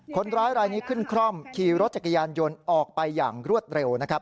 คนร้ายรายนี้ขึ้นคร่อมขี่รถจักรยานยนต์ออกไปอย่างรวดเร็วนะครับ